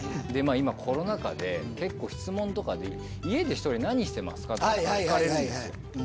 今コロナ禍で結構質問とかで家で１人で何してますか？とか聞かれるんですよ。